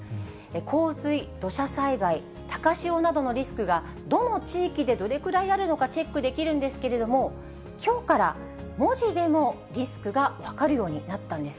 洪水、土砂災害、高潮などのリスクがどの地域でどれくらいあるのかチェックできるんですけれども、きょうから文字でもリスクが分かるようになったんです。